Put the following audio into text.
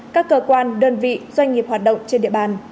các cơ quan đơn vị doanh nghiệp hoạt động trên địa bàn